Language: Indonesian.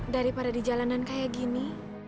daripada di jalanan kayak gini